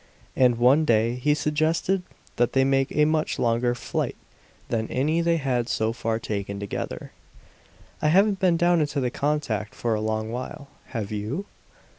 And one day he suggested that they make a much longer flight than any they had so far taken together. "I haven't been down into the contact for a long while. Have you?"